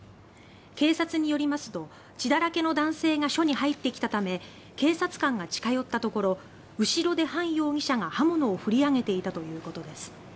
警察によりますと血だらけの男性が署に入ってきたため警察官が近寄ったところ後ろでハン容疑者が刃物を振り上げていたということです。